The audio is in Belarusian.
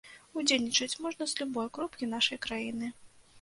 Удзельнічаць можна з любой кропкі нашай краіны.